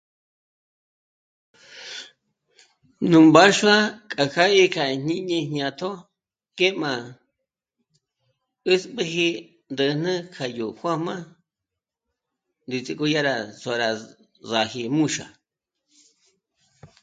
Nú mbáxua kja kjàgí kja jñíni jñátjo ngé m'a 'ǜspjüji ndäjnä k'a yó juā̌jmā mí ts'ik'o dyà rá sôb'ü s'áji múxa